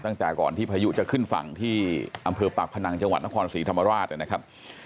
ตั้งแต่ก่อนที่พายุจะขึ้นฝั่งที่อำเภอปากพนังจังหวัดนครศรีธรรมราชนะครับ